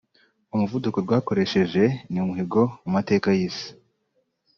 umuvuduko rwakoresheje ni umuhigo mu mateka y’isi